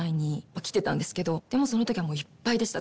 でもその時はもういっぱいでした。